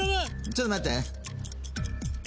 ちょっと待って。